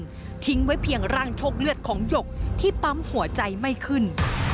ทิ้งไว้เพียงร่างโชคเลือดของหยกที่ปั๊มหัวใจไม่ขึ้น